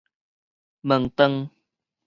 毛斷